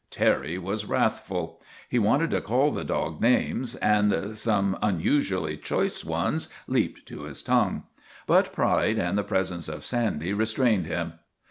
Terry was wrathful. He wanted to call the dog names, and some unusually choice ones leaped to his tongue; but pride and the presence of Sandy re strained him.